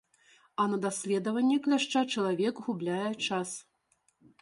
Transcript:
А на даследаванне кляшча чалавек губляе час.